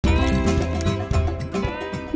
ในตอนวันที่๑